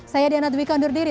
saya diana dwi kondur diri